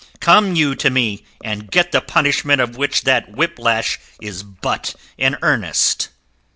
Come you to me and get the punishment of which that whiplash is but an earnest."